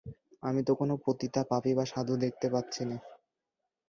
আমি তো কোন পতিতা, পাপী বা সাধু দেখিতে পাচ্ছিনে।